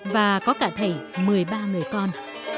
và có cả thầy một mươi ba người con